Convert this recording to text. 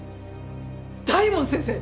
大門先生！